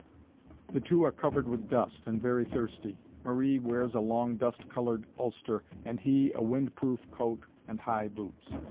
The two are covered with dust and very thirsty; Marie wears a long dust colored ulster, and he a wind proof coat and high boots.